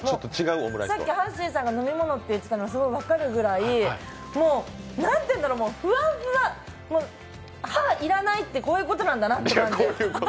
さっき、はっしーさんが飲み物と言ってたのが分かるぐらい、ふわふわ、歯要らないってこういうことなんだなって。